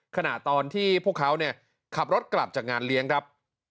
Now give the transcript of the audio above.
ขณะตอนที่พวกเขาเนี่ยขับรถกลับจากงานเลี้ยงครับ